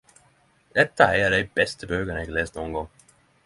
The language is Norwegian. Dette er ei av de beste bøkene eg har lest nokengong.